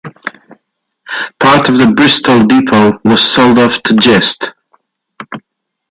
Part of the Bristol depot was sold off to Gist.